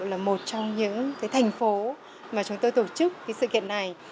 là một trong những thành phố mà chúng tôi tổ chức sự kiện này